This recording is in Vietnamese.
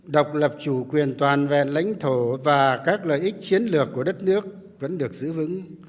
độc lập chủ quyền toàn vẹn lãnh thổ và các lợi ích chiến lược của đất nước vẫn được giữ vững